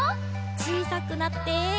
ちいさくなって。